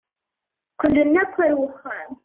Qqlen akk ar wexxam.